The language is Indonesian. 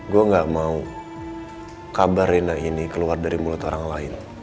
gue gak mau kabar rina ini keluar dari mulut orang lain